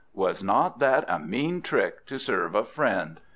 Was not that a mean trick to serve a friend?